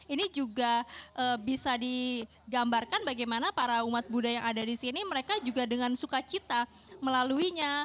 ini juga bisa digambarkan bagaimana para umat buddha yang ada di sini mereka juga dengan sukacita melaluinya